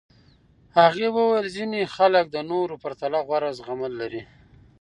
هغې وویل ځینې خلک د نورو پرتله غوره زغمل لري.